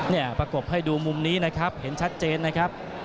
ประกบให้ดูมุมนี้นะครับเห็นชัดเจนนะครับ